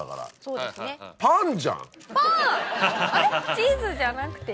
チーズじゃなくて？